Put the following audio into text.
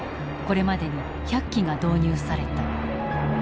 これまでに１００機が導入された。